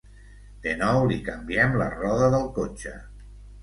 De nou li canviem la roda del cotxe.